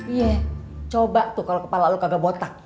iya coba tuh kalo kepala lu kagak botak